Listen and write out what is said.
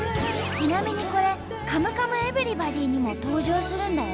ちなみにこれ「カムカムエヴリバディ」にも登場するんだよ。